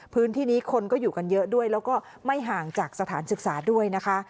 พื้นที่นี้คนก็อยู่กันเยอะด้วยแล้วก็ไม่ห่างจากสถานศึกษาด้วยนะคะ